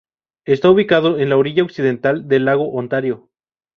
Está ubicado en la orilla occidental del lago Ontario.